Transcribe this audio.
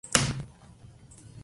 Arnaldo Ribeiro.